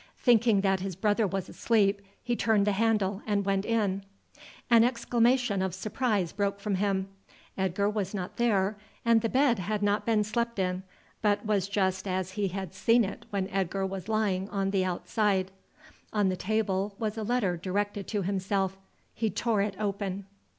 Thinking that his brother was asleep, he turned the handle and went in. An exclamation of surprise broke from him. Edgar was not there and the bed had not been slept in, but was just as he had seen it when Edgar was lying on the outside. On the table was a letter directed to himself. He tore it open.